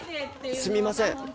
すみません。